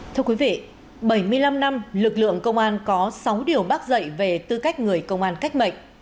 thưa quý vị bảy mươi năm năm lực lượng công an có sáu điều bác dạy về tư cách người công an cách mệnh